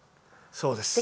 そうです。